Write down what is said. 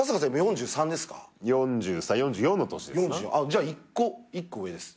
じゃあ１個１個上です。